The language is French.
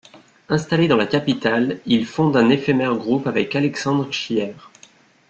Installé dans la capitale, il fonde un éphémère groupe avec Alexandre Chière.